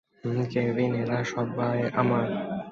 Kevin, এরা সবাই আমার।